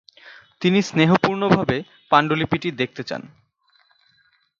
তিনি স্নেহপূর্ণভাবে পাণ্ডুলিপিটি দেখতে চান।